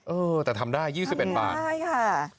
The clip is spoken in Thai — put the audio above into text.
เออแต่ทำได้๒๑บาทใช่ค่ะ